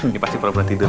ini pasti perut berat tidur